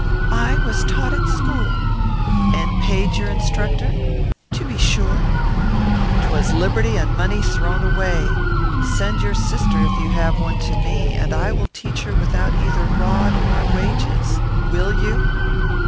"'I was taught at school.' "'And paid your instructor?' "'To be sure.' "''Twas liberty and money thrown away. Send your sister, if you have one, to me, and I will teach her without either rod or wages. Will you?'